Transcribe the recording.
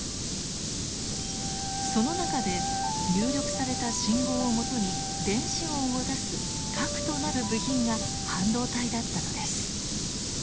その中で入力された信号をもとに電子音を出す核となる部品が半導体だったのです。